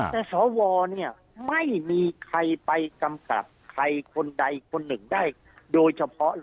แต่สวเนี่ยไม่มีใครไปกำกับใครคนใดคนหนึ่งได้โดยเฉพาะเลย